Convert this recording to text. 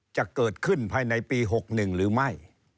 จะเกิดขึ้นภายในปี๖๑หรือไม่